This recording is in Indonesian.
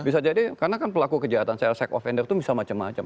bisa jadi karena kan pelaku kejahatan child sex offender itu bisa macam macam